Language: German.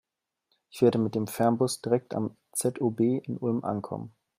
Ich werde mit dem Fernbus direkt am ZOB in Ulm ankommen.